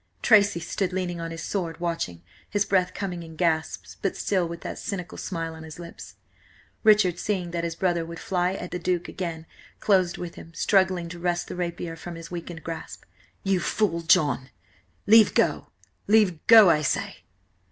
Tracy stood leaning on his sword, watching, his breath coming in gasps, but still with that cynical smile on his lips. Richard, seeing that his brother would fly at the Duke again, closed with him, struggling to wrest the rapier from his weakened grasp. "You fool, John, leave go! Leave go, I say!"